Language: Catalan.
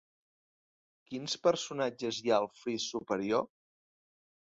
Quins personatges hi ha al fris superior?